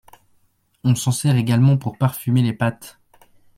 On s'en sert également pour parfumer les pâtes.